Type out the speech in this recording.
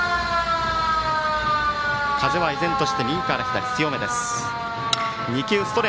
風は依然として右から左強めです。